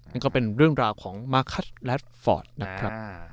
นั่นก็เป็นเรื่องราวของมาคัดแลตฟอร์ดนะครับ